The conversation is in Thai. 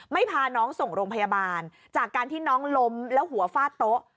พาน้องส่งโรงพยาบาลจากการที่น้องล้มแล้วหัวฟาดโต๊ะ